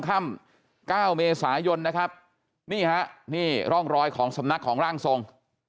ก้าวเมษายนร่องรอยของสำนักของร่างทรง